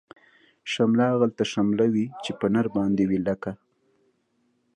شمله هغلته شمله وی، چه په نرباندی وی لکه